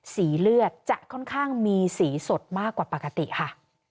สีเลือดจะค่อนข้างมีสีสดมากกว่าปกติค่ะ